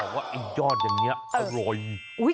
อย่างนี้อร่อย